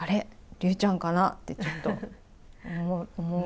竜ちゃんかなってちょっと、思う。